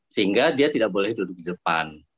sehingga dia tidak boleh duduk di depan